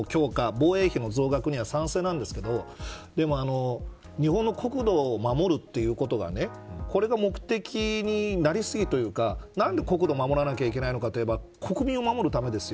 防衛費の増額には賛成なんですけどでも、日本の国土を守るということがこれが目的になりすぎというかなんで国土を守らなきゃいけないのかといえば国民を守るためですよ。